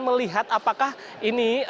melihat apakah ini